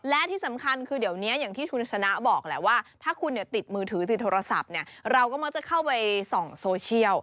และที่สำคัญคือเดี๋ยวนี้อย่างที่คุณชนะบอกแหละว่าถ้าคุณเนี่ยติดมือถือติดโทรศัพท์เนี่ยเราก็มักจะเข้าไปส่องโซเชียล